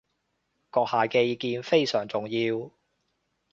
閣下嘅意見非常重要